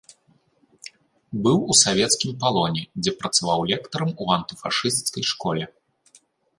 Быў у савецкім палоне, дзе працаваў лектарам у антыфашысцкай школе.